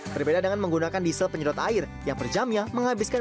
berbeda dengan menggunakan diesel penyedot air yang per jamnya menghabiskan